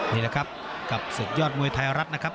นี่แหละครับกับศึกยอดมวยไทยรัฐนะครับ